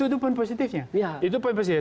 itu pun positifnya